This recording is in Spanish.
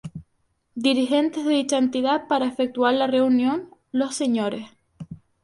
Dirigentes de dicha entidad para efectuar la reunión: los Sres.